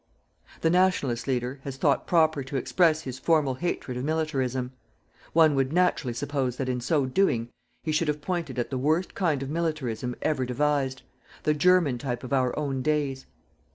The Nationalist leader has thought proper to express his formal hatred of militarism. One would naturally suppose that, in so doing, he should have pointed at the worst kind of militarism ever devised the German type of our own days.